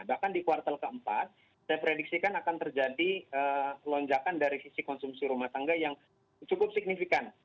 bahkan di kuartal keempat saya prediksikan akan terjadi lonjakan dari sisi konsumsi rumah tangga yang cukup signifikan